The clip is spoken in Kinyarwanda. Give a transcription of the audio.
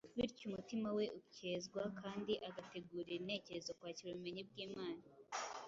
bityo umutima we ukezwa kandi agategurira intekerezo kwakira ubumenyi bw’Imana.